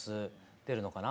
出るのかな？